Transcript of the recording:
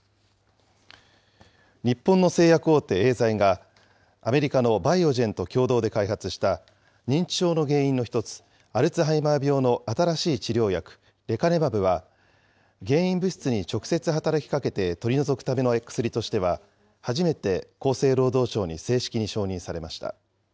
日本の製薬大手、エーザイが、アメリカのバイオジェンと共同で開発した認知症の原因の１つ、アルツハイマー病の新しい治療薬、レカネマブは、原因物質に直接働きかけて取り除くための薬としては初めて厚生労働省に正式に承認されました。